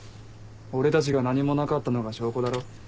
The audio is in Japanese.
俺たちが何もなかったのが証拠だろ？